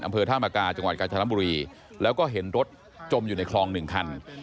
อำเภอธามกาจังหวัดกาญจนบุรีแล้วก็เห็นรถจมอยู่ในคลองหนึ่งคัน